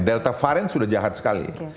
delta varian sudah jahat sekali